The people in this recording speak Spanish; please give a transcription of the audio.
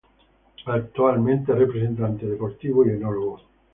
Actualmente es representante deportivo y enólogo.